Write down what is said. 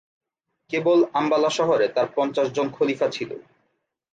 কেবল আম্বালা শহরে তার পঞ্চাশ জন খলিফা ছিলো।